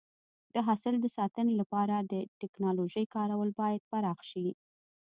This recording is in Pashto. د حاصل د ساتنې لپاره د ټکنالوژۍ کارول باید پراخ شي.